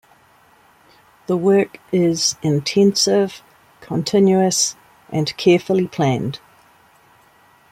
The work is intensive, continuous, and carefully planned.